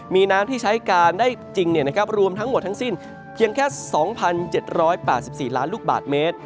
มีน้ำที่ใช้การได้จริงรวมทั้งหมดทั้งสิ้นเพียงแค่๒๗๘๔ล้านลูกบาทเมตร